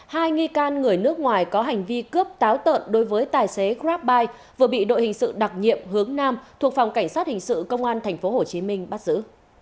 hai nghi can người nước ngoài có hành vi cướp táo tợn đối với tài xế grabbuy vừa bị đội hình sự đặc nhiệm hướng nam thuộc phòng cảnh sát hình sự công an tp hcm bắt giữ